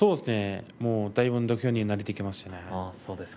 だいぶ土俵に慣れてきました。